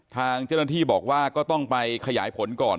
ทางเจ้าหน้าที่บอกว่าก็ต้องไปขยายผลก่อน